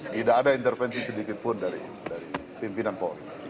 tidak ada intervensi sedikit pun dari pimpinan polri